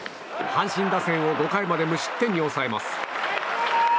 阪神打線を５回まで無失点に抑えます。